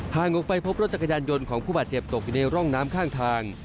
ออกไปพบรถจักรยานยนต์ของผู้บาดเจ็บตกอยู่ในร่องน้ำข้างทาง